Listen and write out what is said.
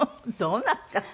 どうなった。